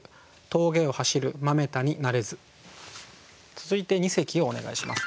続いて二席をお願いします。